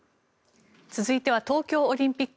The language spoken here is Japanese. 続いては東京オリンピック。